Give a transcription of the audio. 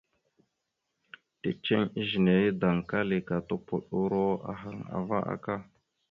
Ticeŋ izəne ya daŋkali ka tondoyoro ahaŋ ava aka.